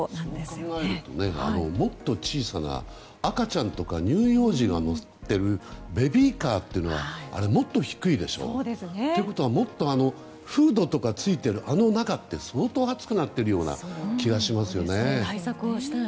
それを考えるともっと小さな赤ちゃんとか乳幼児が乗っているベビーカーはもっと低いでしょ。ということはもっとフードとかついている中って相当暑くなっている気がしますよね。